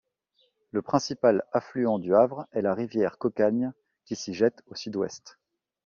Le principal affluent du havre est la rivière Cocagne, qui s'y jette au sud-ouest.